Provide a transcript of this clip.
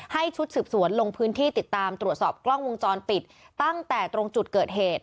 ชุดสืบสวนลงพื้นที่ติดตามตรวจสอบกล้องวงจรปิดตั้งแต่ตรงจุดเกิดเหตุ